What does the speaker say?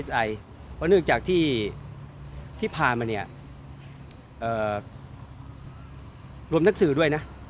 เพราะเนื่องจากที่ผ่านมาเนี่ยรวมนักสื่อด้วยนะ